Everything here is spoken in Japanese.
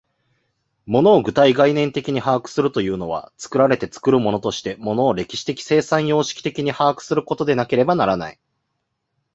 物を具体概念的に把握するというのは、作られて作るものとして物を歴史的生産様式的に把握することでなければならない。